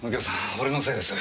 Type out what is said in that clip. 俺のせいです。